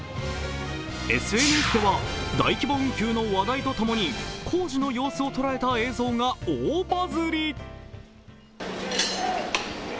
ＳＮＳでは大規模運休の話題とともに工事の様子を捉えた映像が大バズり。